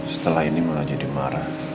setelah ini malah jadi marah